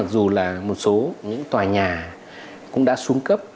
dù là một số những tòa nhà cũng đã xuống cấp